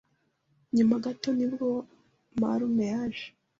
Nyuma gato nibwo marume yaje